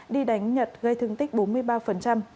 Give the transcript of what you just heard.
đi đánh nhật gây thương tích bốn mươi ba